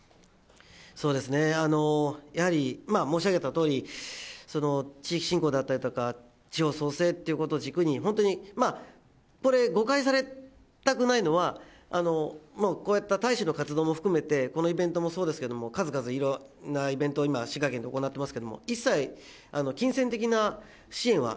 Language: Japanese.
そうですね、やはり、申し上げたとおり、地域振興だったりとか、地方創生ということを軸に、本当にこれ、誤解されたくないのは、こういった大使の活動も含めて、このイベントもそうですけれども、数々いろんなイベントを今、滋賀県で行ってますけど、一切、滋賀県からね。